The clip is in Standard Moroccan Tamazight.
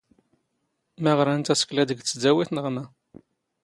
ⵎⴰ ⵖⵔⴰⵏ ⵜⴰⵙⴽⵍⴰ ⴷⴳ ⵜⵙⴷⴰⵡⵉⵜ, ⵏⵖ ⵎⴰ?